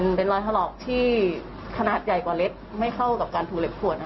เป็นรอยถลอกที่ขนาดใหญ่กว่าเล็บไม่เข้ากับการถูเห็บขวด